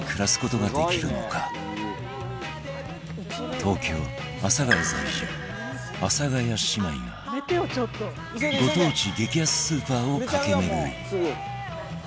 東京阿佐ヶ谷在住阿佐ヶ谷姉妹がご当地激安スーパーを駆け巡り